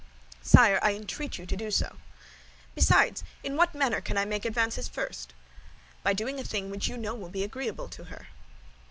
"Sire, I entreat you to do so." "Besides, in what manner can I make advances first?" "By doing a thing which you know will be agreeable to her."